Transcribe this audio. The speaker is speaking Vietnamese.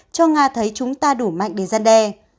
cho nga thấy chúng ta đủ mạnh để gian đe